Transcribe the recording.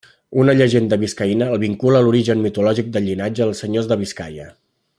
Una llegenda biscaïna el vincula a l'origen mitològic del llinatge dels senyors de Biscaia.